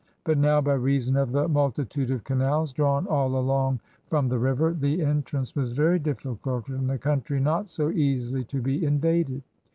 But now, by reason of the multi tude of canals drawn all along from the river, the en trance was very difficult and the country not so easily to be invaded.